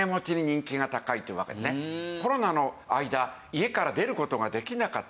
コロナの間家から出る事ができなかった。